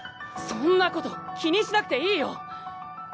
そんなこと気にしなくていいよ！